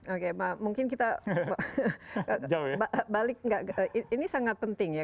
oke mungkin kita balik nggak ini sangat penting ya